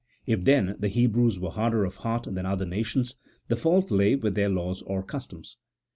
If, then, the Hebrews were harder of heart than other nations, the fault lay with their laws or customs.